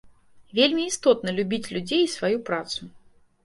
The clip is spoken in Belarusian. Вельмі істотна любіць людзей і сваю працу.